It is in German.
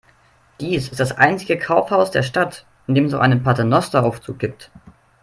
Dies ist das einzige Kaufhaus der Stadt, in dem es noch einen Paternosteraufzug gibt.